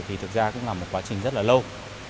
thì thực ra cũng là một quá trình rất là lâu